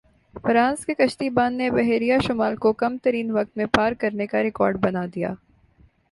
France کے کشتی بان نے بحیرہ شمال کو کم ترین وقت میں پار کرنے کا ریکارڈ بنا دیا